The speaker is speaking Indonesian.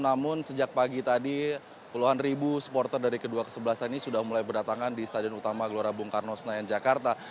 namun sejak pagi tadi puluhan ribu supporter dari kedua kesebelasan ini sudah mulai berdatangan di stadion utama gelora bung karno senayan jakarta